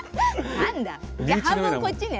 何だじゃあ半分こっちね。